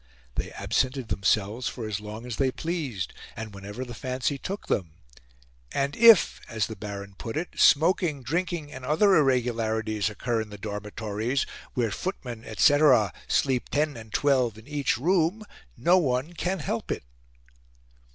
They absented themselves for as long as they pleased and whenever the fancy took them; "and if," as the Baron put it, "smoking, drinking, and other irregularities occur in the dormitories, where footmen, etc., sleep ten and twelve in each room, no one can help it."